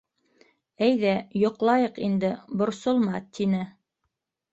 Әйҙә, йоҡлайыҡ инде, борсолма, — тине.